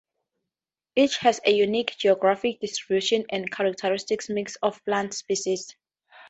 Each has a unique geographic distribution and characteristic mix of plant species.